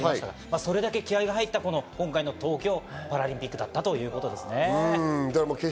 それぐらいの今回の東京パラリンピックだったということですね。